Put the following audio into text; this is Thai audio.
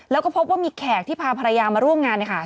แล้วก็พบว่ามีแขกที่พาภรรยามาร่วมงานนะคะ